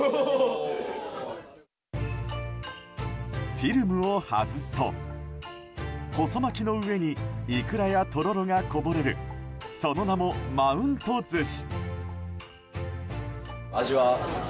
フィルムを外すと細巻きの上にイクラやとろろがこぼれるその名も、マウント寿司。